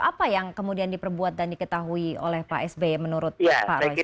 apa yang kemudian diperbuat dan diketahui oleh pak sby menurut pak roy